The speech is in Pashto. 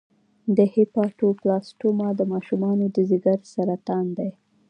د هیپاټوبلاسټوما د ماشومانو د ځګر سرطان دی.